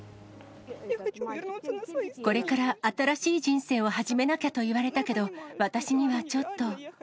これから新しい人生を始めなきゃと言われたけど、私にはちょっと。